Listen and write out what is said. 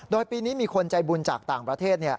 โดยปีนี้มีคนใจบุญจากต่างประเทศ